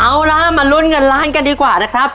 เอาล่ะมาลุ้นเงินล้านกันดีกว่านะครับ